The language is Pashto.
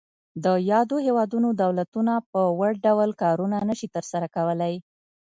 د یادو هیوادونو دولتونه په وړ ډول کارونه نشي تر سره کولای.